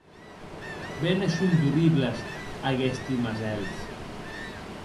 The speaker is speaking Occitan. Be ne son d’orribles aguesti masèls!